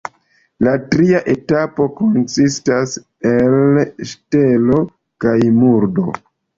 La tria etapo konsistas el ŝtelo kaj murdo.